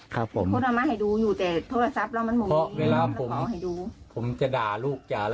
ครับผมเพราะเวลาผมจะด่าลูก